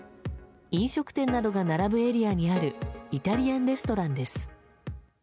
飲食店などが並ぶエリアにあるイタリアンレストランです。